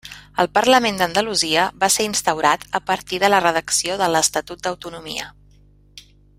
El Parlament d'Andalusia va ser instaurat a partir de la redacció de l'Estatut d'Autonomia.